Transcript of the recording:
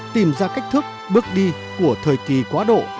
tìm ra cách thức bước đi của thời kỳ quá độ